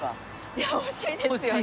いや欲しいですよね。